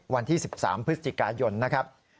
วันที่๑๓พฤศจิกายนนะครับ